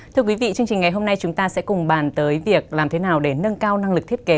chương trình ngày hôm nay chúng ta sẽ cùng bàn tới việc làm thế nào để nâng cao năng lực thiết kế